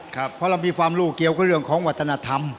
เพราะเรามีความรู้เกี่ยวกับเรื่องของวัฒนธรรม